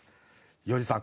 要次さん